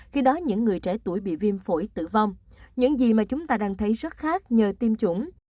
khi đó những người trẻ tuổi bị viêm phổi tử vong những gì mà chúng ta đang thấy rất khác nhờ tiêm chủng